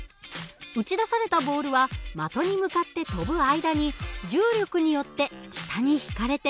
撃ち出されたボールは的に向かって飛ぶ間に重力によって下に引かれて落ちてしまいます。